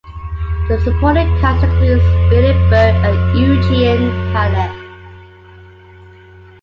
The supporting cast includes Billie Burke and Eugene Pallette.